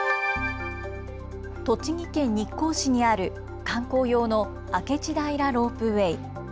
栃木県日光市にある観光用の明智平ロープウェイ。